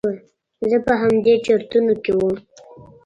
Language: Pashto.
زه په همدې چرتونو کې وم.